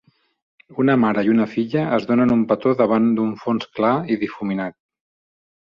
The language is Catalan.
Una mare i una filla es donen un petó davant d'un fons clar i difuminat.